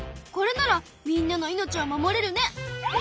これならみんなの命を守れるね。